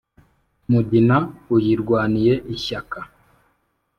mugina uyirwaniye ishyaka.